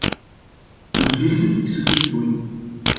Ten vierde is er de groei.